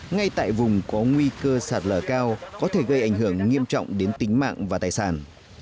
ngay tại vùng có nguy cơ sạt lở cao có thể gây ảnh hưởng nghiêm trọng đến tính mạng và tài sản